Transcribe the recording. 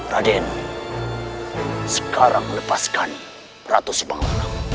raden sekarang melepaskan ratu sebangun